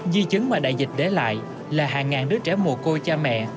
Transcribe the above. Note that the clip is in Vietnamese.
di chứng mà đại dịch để lại là hàng ngàn đứa trẻ mùa cô cha mẹ